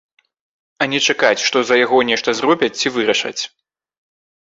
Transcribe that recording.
А не чакаць, што за яго нешта зробяць ці вырашаць.